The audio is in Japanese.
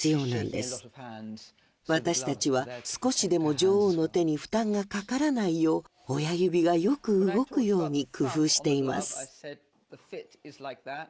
私たちは少しでも女王の手に負担がかからないよう親指がよく動くように工夫しています。